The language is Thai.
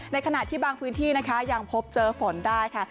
ในขณะที่บางพื้นที่นะคะยังพบเจอฝนได้ค่ะ